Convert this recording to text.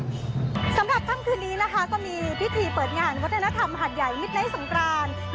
สำหรับค่ำคืนนี้นะคะก็มีพิธีเปิดงานวัฒนธรรมหาดใหญ่มิดไลท์สงคราน